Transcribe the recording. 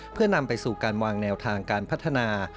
เพื่อนำไปสู่การวางแนวทางการพัฒนา